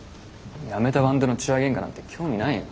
やめたバンドの痴話げんかなんて興味ないよ。